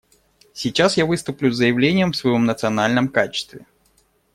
Сейчас я выступлю с заявлением в своем национальном качестве.